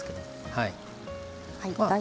はい。